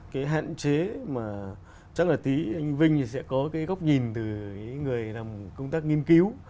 cái hạn chế mà chắc là tí anh vinh sẽ có cái góc nhìn từ người làm công tác nghiên cứu